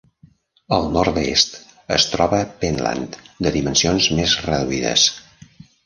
Al nord-est es troba Pentland, de dimensions més reduïdes.